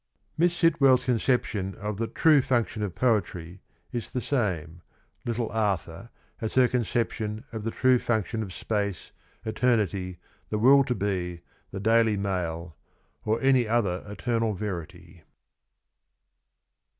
Miss Sitwell's conception of the True Function of Poetry is the same, ' Little Arthur,' as her conception of the True Function of Space, Eternity, the Will to Be, the Daily Mail, or any other eternal verity.